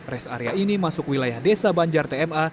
res area ini masuk wilayah desa banjar tma